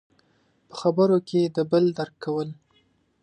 – په خبرو کې د بل درک کول.